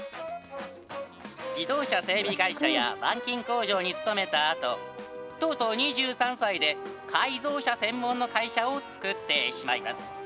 自動車整備会社や板金工場に勤めたあと、とうとう２３歳で、改造車専門の会社を作ってしまいます。